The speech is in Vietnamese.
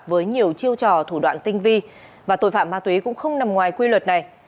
với nhiều chiêu trò thủ đoạn tinh vi và tội phạm ma túy cũng không nằm ngoài quy luật này